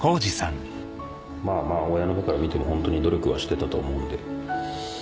親の目から見てもホントに努力はしてたと思うので。